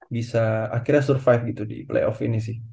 bisa akhirnya survive gitu di play off ini sih